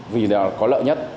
vì là có lợi nhất